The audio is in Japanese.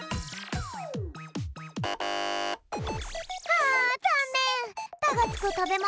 あざんねん！